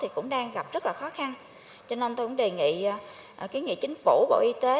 cũng đang gặp rất khó khăn cho nên tôi cũng đề nghị kiến nghị chính phủ bộ y tế